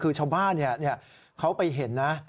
คือชาวบ้านเขาไปเห็นนะ